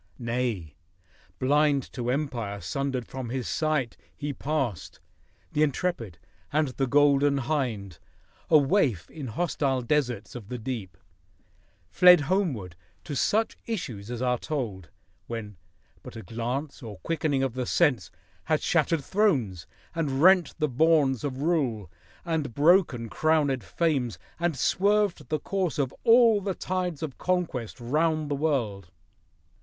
— Nay, blind to empire sundered from his sight, He passed, the intrepid, and the Golden Hind, A waif in hostile deserts of the deep, Fled homeward, to such issues as are told, When but a glance, or quickening of the sense, Had shattered thrones, and rent the bourns of rule, And broken crowned fames, and {swerved the m^rse I 4 Of all the tides of conquest round the world.